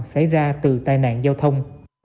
xảy ra từ tai nạn giao thông